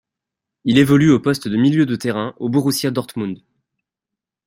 Il évolue au poste de milieu de terrain au Borussia Dortmund.